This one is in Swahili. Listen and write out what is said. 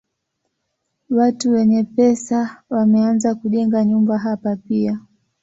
Watu wenye pesa wameanza kujenga nyumba hapa pia.